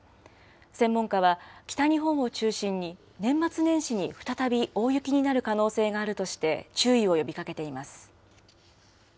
専門家は、北日本を中心に、年末年始に再び大雪になる可能性があるとして、注意を呼びかけています。